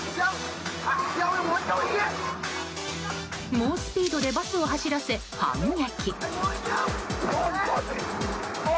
猛スピードでバスを走らせ反撃。